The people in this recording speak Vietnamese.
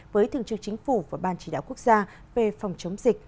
với thượng trưởng chính phủ và ban chỉ đạo quốc gia về phòng chống dịch